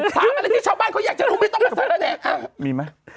ถามอะไรที่ชาวบ้านเขาอยากจะรู้ไม่ต้องเฮีย